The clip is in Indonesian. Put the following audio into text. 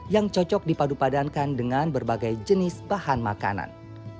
yang cocok dipadupadankan dengan berbagai jenis bahan makanan